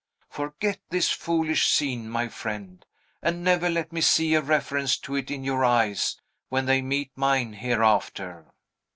Forget this foolish scene, my friend, and never let me see a reference to it in your eyes when they meet mine hereafter."